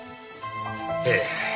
ええ。